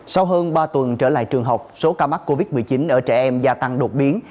sau hơn ba tuần trở lại trường học số ca mắc covid một mươi chín ở trẻ em gia tăng đột biến